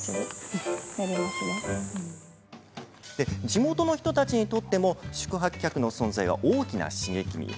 地元の人たちにとっても宿泊客の存在は大きな刺激に。